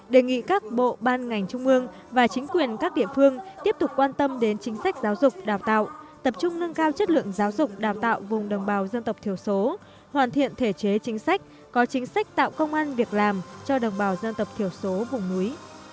đề nghị các bộ ban ngành trung ương và chính quyền các địa phương tiếp tục quan tâm đến chính sách giáo dục đào tạo tập trung nâng cao chất lượng giáo dục đào tạo vùng đồng bào dân tộc thiểu số hoàn thiện thể chế chính sách có chính sách tạo công an việc làm cho đồng bào dân tộc thiểu số vùng núi